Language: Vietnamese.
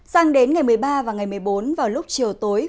sang đến ngày một mươi ba và ngày một mươi bốn vào lúc chiều tối